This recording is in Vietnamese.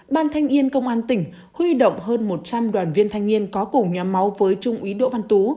ban thanh niên công an tỉnh huy động hơn một trăm linh đoàn viên thanh niên có cùng nhóm máu với trung úy đỗ văn tú